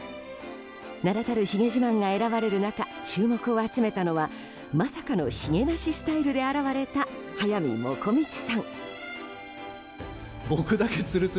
名だたるひげ自慢が選ばれる中注目を集めたのはまさかのひげなしスタイルで現れた速水もこみちさん。